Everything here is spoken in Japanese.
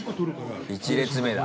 １列目だ。